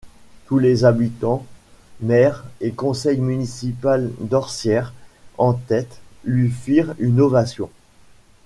Tous les habitants, maire et conseil municipal d’Orcières en tête lui firent une ovation.